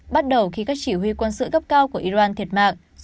bắt đầu khi các chỉ huy quân sự cấp cao của iran thiệt mạng